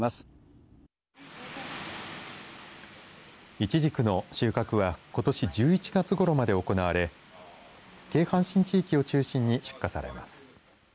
いちじくの収穫はことし１１月ごろまで行われ京阪神地域を中心に出荷されます。